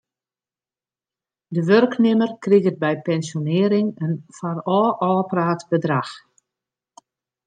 De wurknimmer kriget by pensjonearring in foarôf ôfpraat bedrach.